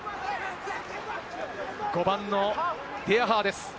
５番のデヤハーです。